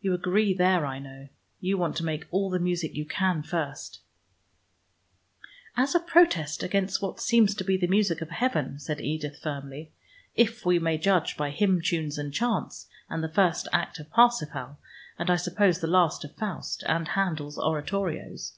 You agree there I know; you want to make all the music you can first " "As a protest against what seems to be the music of heaven," said Edith firmly, "if we may judge by hymn tunes and chants, and the first act of Parsifal, and I suppose the last of Faust, and Handel's oratorios.